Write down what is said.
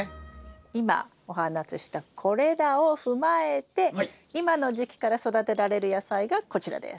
今お話ししたこれらを踏まえて今の時期から育てられる野菜がこちらです。